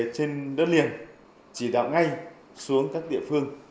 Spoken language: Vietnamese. trên đất liền chỉ đạo ngay xuống các địa phương